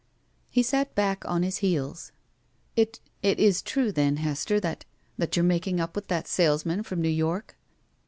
He sat back on his heels. "It — Is it true, then, Hester that — that you're making up with that salesman from New York?"